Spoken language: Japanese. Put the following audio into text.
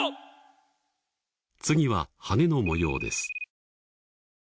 次は羽の模様です